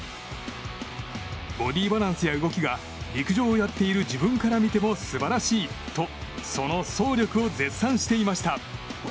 ボディバランスや動きが陸上やってる自分から見ても素晴らしいとその走力を絶賛していました。